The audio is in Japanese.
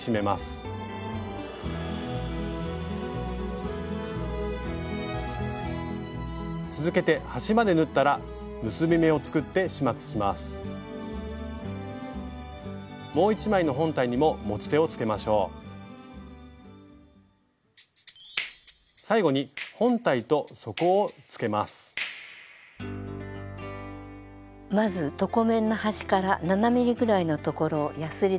まず床面の端から７ｍｍぐらいのところをやすりでこすります。